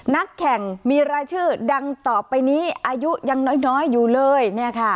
นักแข่งมีรายชื่อดังต่อไปนี้อายุยังน้อยอยู่เลย